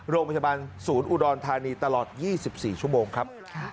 โรงพยาบาลศูนย์อุดรธานีตลอด๒๔ชั่วโมงครับ